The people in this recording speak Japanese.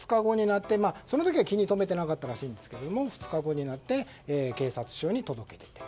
その時は気に留めていなかったらしいですが２日後になって警察署に届け出た。